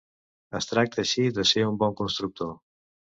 Es tracta així de ser un bon constructor.